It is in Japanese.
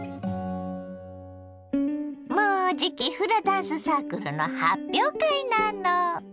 もうじきフラダンスサークルの発表会なの。